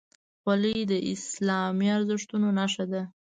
خولۍ د اسلامي ارزښتونو نښه ده.